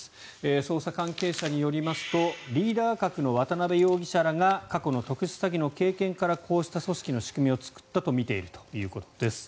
捜査関係者によりますとリーダー格の渡邉容疑者らが過去の特殊詐欺の経験からこうした組織の仕組みを作ったとみているということです。